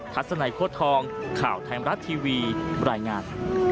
ทัศนัยโค้ดทองข่าวไทยมรัฐทีวีบรรยายงาน